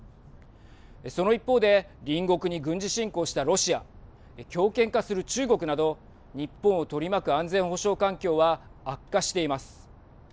その一方で隣国に軍事侵攻したロシア強権化する中国など日本を取り巻く安全保障環境は悪化しています。